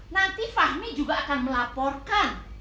nanti fahmi juga akan melaporkan